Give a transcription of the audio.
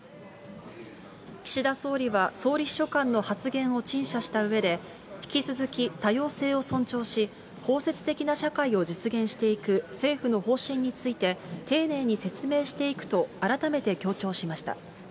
岸田総理は、総理秘書官の発言を陳謝したうえで、引き続き多様性を尊重し、包摂的な社会を実現していく政府の方針について、丁寧に説明していくと、改めて強調しました。